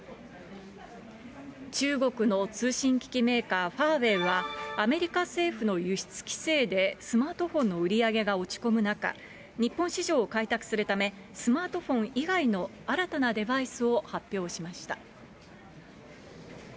中国の通信機器メーカー、ファーウェイは、アメリカ政府の輸出規制でスマートフォンの売り上げが落ち込む中、日本市場を開拓するため、スマートフォン以外の新たなデバイスを発表しました。